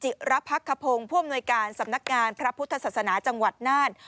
จิรัพญ์พระคะพงศ์พ่อมนวยกาลสำนักงานพระพุทธศาสนาจังหวัดน้าน